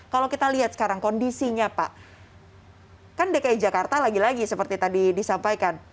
kalau kita lihat sekarang kondisinya pak kan dki jakarta lagi lagi seperti tadi disampaikan